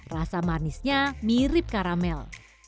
rasa manisnya mirip karamel